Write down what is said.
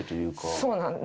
そうなんです。